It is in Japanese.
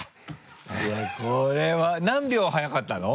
いやこれは何秒早かったの？